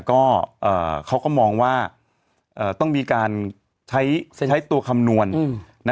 ก็อ่าเขาก็มองว่าอ่าต้องมีการใช้ใช้ตัวคำนวณอืมนะ